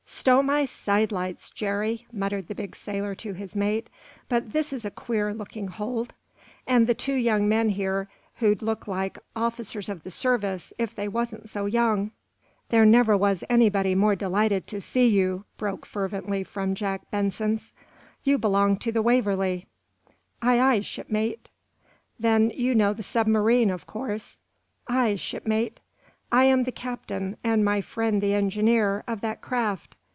"Stow my sidelights, Jerry," muttered the big sailor to his mate, "but this is a queer looking hold! And two young men here who'd look like officers of the service, if they wasn't so young." "There never was anybody more delighted to you," broke fervently from Jack Benson's. "You belong to the 'Waverly'?" "Aye, aye, shipmate." "Then you know the submarine, of course?" "Aye, shipmate." "I am the captain, and my friend the engineer, of that craft."